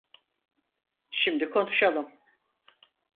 Şimdi konuşalım.